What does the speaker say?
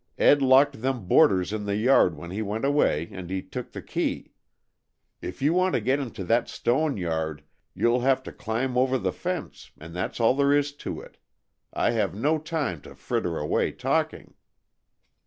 Ed locked them boarders in the yard when he went away, and he took the key. If you want to get into that stone yard, you'll have to climb over the fence, and that's all there is to it. I have no time to fritter away talking."